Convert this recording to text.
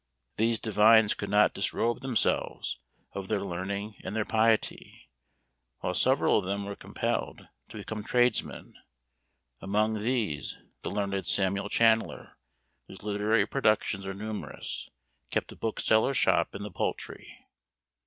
These divines could not disrobe themselves of their learning and their piety, while several of them were compelled to become tradesmen: among these the learned Samuel Chandler, whose literary productions are numerous, kept a bookseller's shop in the Poultry.